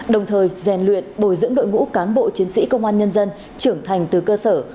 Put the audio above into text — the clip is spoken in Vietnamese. đồng thời rèn luyện bồi dưỡng đội ngũ cán bộ chiến sĩ công an nhân dân trưởng thành từ cơ sở